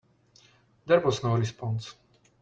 There was no response.